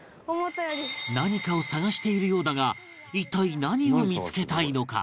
何かを探しているようだが一体何を見つけたいのか？